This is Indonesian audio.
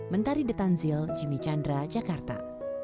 mentari detanzil jimmy chandra jakarta